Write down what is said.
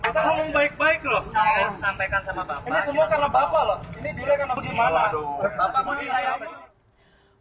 kita ngomong baik baik loh ini semua karena bapak loh ini diri karena bapak